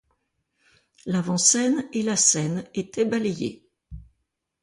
L'avant-scène et la scène étaient balayées.